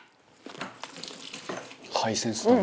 「ハイセンスだな」